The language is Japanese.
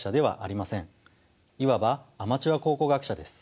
いわばアマチュア考古学者です。